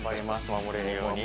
守れるように。